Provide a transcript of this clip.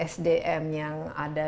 sdm yang ada